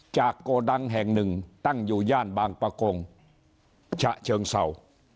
โกดังแห่งหนึ่งตั้งอยู่ย่านบางประกงฉะเชิงเศร้า